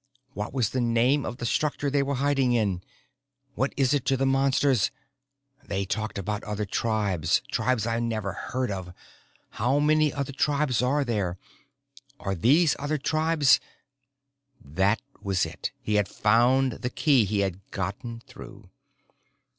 What was the name of the structure they were hiding in? What is it to the Monsters? They talked about other tribes, tribes I never heard of. How many other tribes are there? Are these other tribes " That was it. He had found the key. He had gotten through.